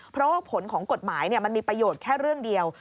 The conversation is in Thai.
เพราะว่าผลของกฎหมายมันมีประโยชน์แค่เรื่องเดียว